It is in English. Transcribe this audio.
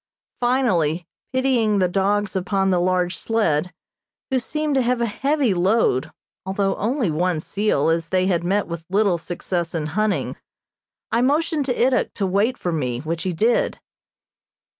Finally, pitying the dogs upon the large sled, who seemed to have a heavy load (although only one seal, as they had met with little success in hunting), I motioned to Ituk to wait for me, which he did.